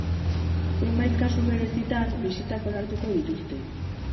Zenbait kasu berezitan bisitak onartuko dituzte.